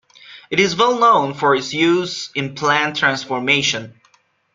It is well known for its use in plant transformation.